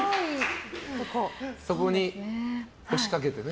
そこに押しかけてね。